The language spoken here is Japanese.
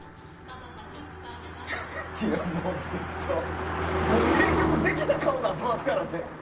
ずっと名曲ができた顔になってますからね。